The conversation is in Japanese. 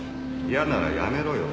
「嫌ならやめろよ」